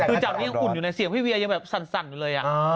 คือจากนี้ยังอุ่นอยู่ในเสียงพี่เวียยังแบบสั่นอยู่เลย